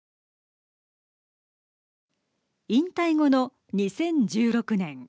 引退後の２０１６年